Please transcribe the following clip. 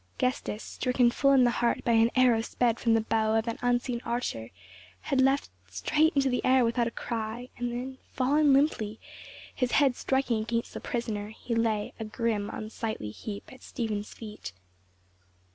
Gestas, stricken full in the heart by an arrow sped from the bow of an unseen archer, had leapt straight into the air without a cry, then falling limply, his head striking against the prisoner, he lay, a grim unsightly heap, at Stephen's feet.